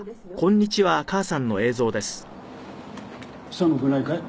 寒くないかい？